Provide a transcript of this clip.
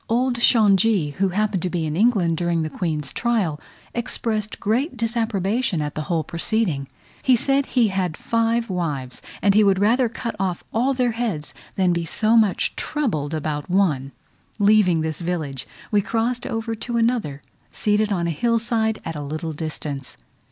Old Shongi, who happened to be in England during the Queen's trial, expressed great disapprobation at the whole proceeding: he said he had five wives, and he would rather cut off all their heads than be so much troubled about one. Leaving this village, we crossed over to another, seated on a hill side at a little distance.